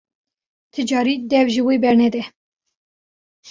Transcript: Ti carî dev ji wê bernede!